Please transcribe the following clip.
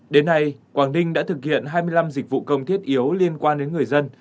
đến nay quảng ninh đã thực hiện hai mươi năm dịch vụ công thiết yếu liên quan đến người dân